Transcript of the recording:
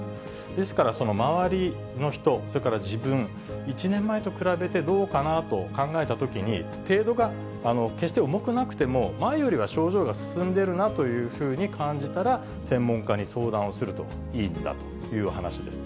ですから、その周りの人、それから自分、１年前と比べてどうかなと考えたときに、程度が決して重くなくても、前よりは症状が進んでいるようなというふうに感じたら、専門家に相談をするといいんだという話です。